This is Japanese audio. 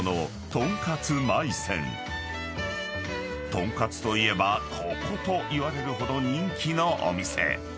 ［とんかつといえばここと言われるほど人気のお店］